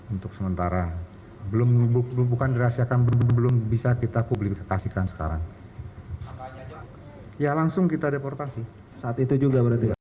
untuk sementara bukan rahasiakan belum bisa kita publikasikan sekarang